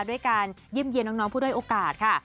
ด้วยการเยี่ยมเยี่ยมน้องผู้ด้วยโอกาสค่ะ